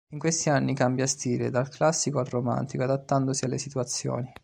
In questi anni cambia stile, dal classico al romantico adattandosi alle situazioni.